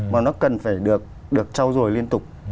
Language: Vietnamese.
mà nó cần phải được trau dồi liên tục